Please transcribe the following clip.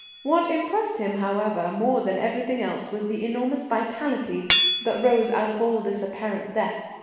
What impressed him, however, more than everything else was the enormous vitality that rose out of all this apparent death.